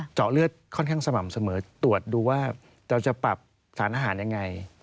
เจาะเลือดค่อนข้างสม่ำเสมอตรวจดูว่าเราจะปรับสารอาหารยังไง